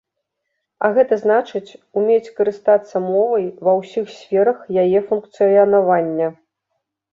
А гэта значыць, умець карыстацца мовай ва ўсіх сферах яе функцыянавання.